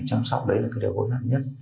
chăm sóc đấy là cái điều vô lạc nhất